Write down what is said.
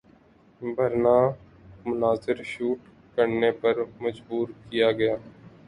برہنہ مناظر شوٹ کرنے پر مجبور کیا گیا